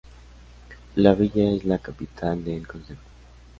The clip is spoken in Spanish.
La villa es la capital del concejo.